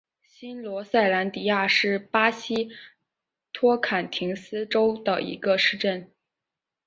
新罗萨兰迪亚是巴西托坎廷斯州的一个市镇。